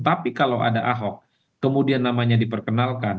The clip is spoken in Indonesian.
tapi kalau ada ahok kemudian namanya diperkenalkan